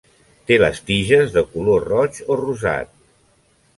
Té les tiges de color roig o rosat.